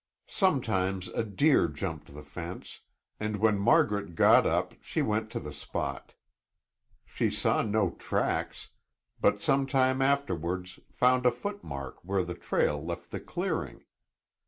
Sometimes a deer jumped the fence, and when Margaret got up she went to the spot. She saw no tracks, but some time afterwards found a footmark where the trail left the clearing.